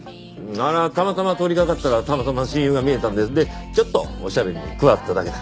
あれはたまたま通りかかったらたまたま親友が見えたんででちょっとおしゃべりに加わっただけだ。